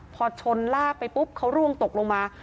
พอชนลากไปปุ๊บเขาร่วงตกลงมา